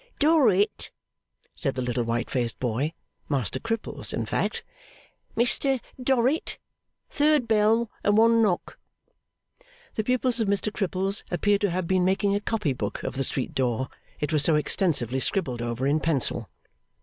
'Dorrit?' said the little white faced boy (Master Cripples in fact). 'Mr Dorrit? Third bell and one knock.' The pupils of Mr Cripples appeared to have been making a copy book of the street door, it was so extensively scribbled over in pencil.